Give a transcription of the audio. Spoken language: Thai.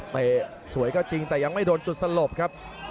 สวยก็จริงแต่ยังไม่โดนจุดสลบครับ